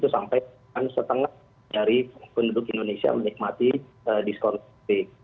itu sampai setengah dari penduduk indonesia menikmati diskon listrik